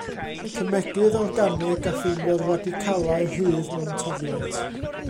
Cemegydd organig a ffeindiodd radicalau rhydd mewn toddiant.